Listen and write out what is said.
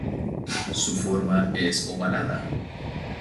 Su forma es ovalada.